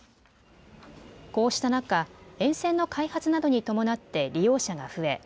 こうした中、沿線の開発などに伴って利用者が増え